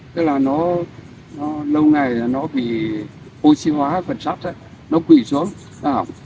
thế là nó lâu ngày nó bị oxy hóa quần sắt nó quỵ xuống nó hỏng